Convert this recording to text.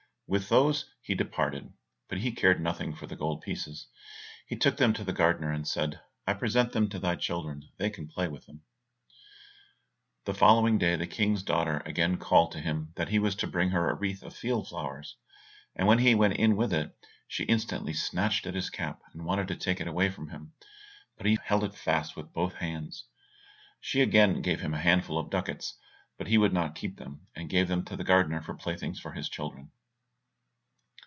With these he departed, but he cared nothing for the gold pieces. He took them to the gardener, and said, "I present them to thy children, they can play with them." The following day the King's daughter again called to him that he was to bring her a wreath of field flowers, and when he went in with it, she instantly snatched at his cap, and wanted to take it away from him, but he held it fast with both hands. She again gave him a handful of ducats, but he would not keep them, and gave them to the gardener for playthings for his children.